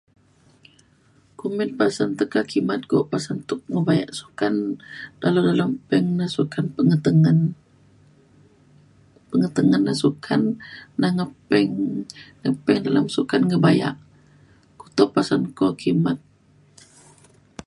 kumbin pasen tekak kimet ku pasen tuk ngebayak sukan dalem dalem peng na sukan pengetengen. pengetengen ne sukan na ngeping. ngeping dalem sukan ngebayak keto pasen ku kimet.